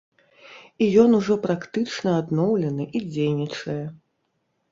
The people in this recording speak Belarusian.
І ён ужо практычна адноўлены і дзейнічае.